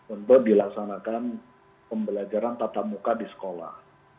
untuk dilaksanakan pembelajaran tatap muka di sekolah